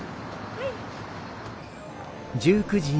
はい。